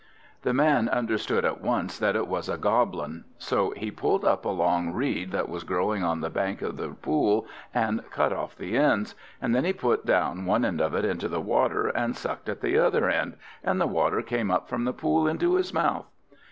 The man understood at once that it was a Goblin. So he pulled up a long reed that was growing on the bank of the pool and cut off the ends, and then he put down one end of it into the water and sucked at the other end, and the water came up from the pool into his mouth.